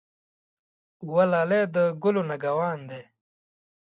وه لالی د ګلو نګه وان دی.